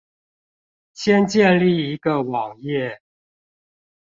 先建立一個網頁